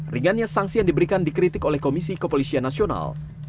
ringannya sanksi yang diberikan dikritik oleh komisi kepolisian nasional